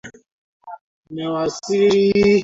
lakini katika hali ya kawaida kombe hilo la dunia